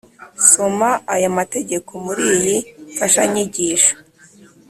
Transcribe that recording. soma aya mategeko muri iyi mfashanyigisho.